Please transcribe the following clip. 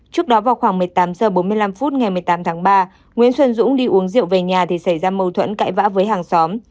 trước đó vào khoảng một mươi tám h bốn mươi năm phút ngày một mươi tám tháng ba nguyễn xuân dũng đi uống rượu về nhà thì xảy ra mâu thuẫn cãi vã với hàng xóm